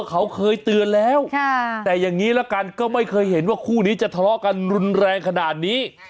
เขาเคยเตือนแล้วแต่อย่างนี้ละกันก็ไม่เคยเห็นว่าคู่นี้จะทะเลาะกันรุนแรงขนาดนี้